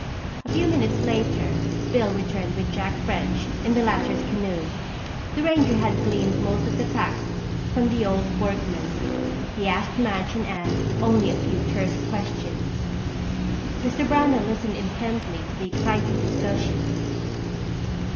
A few minutes later Bill returned with Jack French in the latter's canoe. The ranger had gleaned most of the facts from the old workman. He asked Madge and Anne only a few, terse questions. Mr. Brownell listened intently to the excited discussion.